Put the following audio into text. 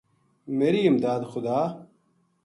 میری امداد خدا